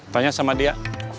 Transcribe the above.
tanya sama dia